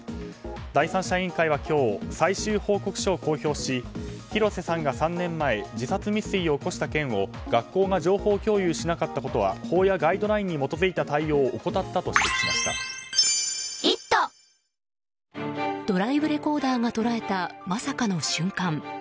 第三者委員会は今日最終報告書を公表し、広瀬さんが３年前自殺未遂を起こした件を学校が情報共有しなかったことは法やガイドラインに基づいた対応をドライブレコーダーが捉えたまさかの瞬間。